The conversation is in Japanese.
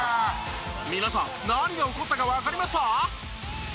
皆さん何が起こったかわかりました？